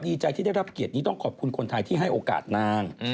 ดีใจที่ได้รับเกียรตินี้ต้องขอบคุณคนไทยที่ให้โอกาสนาง